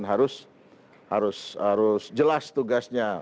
nah ini kan juga harus jelas tugasnya